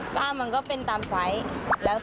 มันก็เป็นตามไซส์